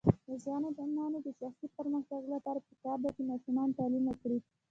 د ځوانانو د شخصي پرمختګ لپاره پکار ده چې ماشومانو تعلیم ورکړي.